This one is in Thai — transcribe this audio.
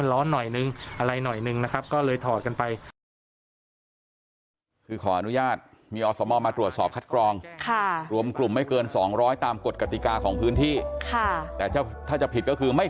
อะไรหน่อยหนึ่งนะครับก็เลยถอดกันไป